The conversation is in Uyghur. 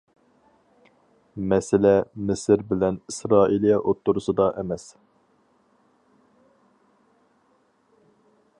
مەسىلە مىسىر بىلەن ئىسرائىلىيە ئوتتۇرىسىدا ئەمەس.